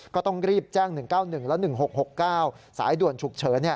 ก็ต้องรีบแจ้ง๑๙๑และ๑๖๖๙สายด่วนฉุกเฉิน